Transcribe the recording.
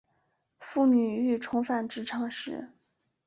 妇女欲重返职场时